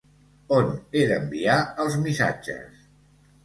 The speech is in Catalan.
On he d'enviar els missatges?